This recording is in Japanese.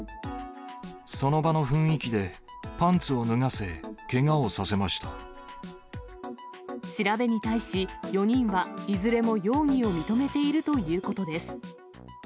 その場の雰囲気で、パンツを調べに対し、４人はいずれも容疑を認めているということです。